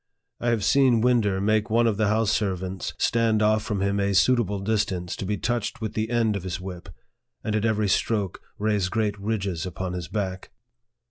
I have seen Winder make one of the house servants stand off from him a suitable distance to be touched with the end of his whip, and at every stroke raise great ridges upon his back.